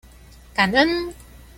感恩！